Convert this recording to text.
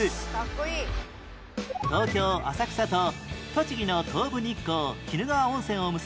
東京浅草と栃木の東武日光鬼怒川温泉を結ぶ